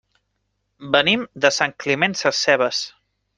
Venim de Sant Climent Sescebes.